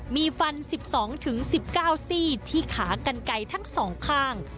มีฟัน๑๒๑๙ซี่ที่ขากันไกลทั้งสองข้าง